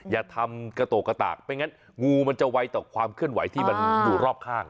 อย่าทำกระโตกกระตากไม่งั้นงูมันจะไวต่อความเคลื่อนไหวที่มันอยู่รอบข้าง